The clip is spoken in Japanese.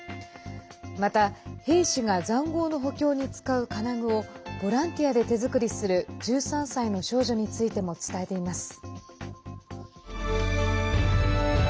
また、兵士がざんごうの補強に使う金具をボランティアで手作りする１３歳の少女についても伝えています。